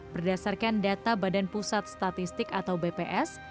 berdasarkan data badan pusat statistik atau bps